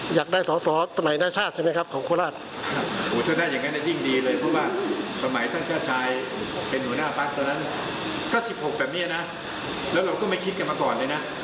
จะได้กี่คนไม่เป็นไรครับขอให้เราได้แชมป์ได้กับประธานาศาสตร์